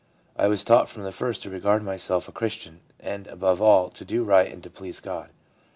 I was taught from the first to regard myself a Christian, and, above all, to do right and to please God.